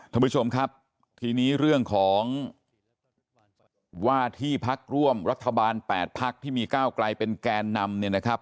ท่านผู้ชมครับทีนี้เรื่องของว่าที่พักร่วมรัฐบาล๘พักที่มีก้าวไกลเป็นแกนนำเนี่ยนะครับ